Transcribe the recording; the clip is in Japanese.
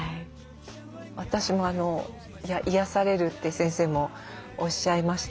私も「癒やされる」って先生もおっしゃいました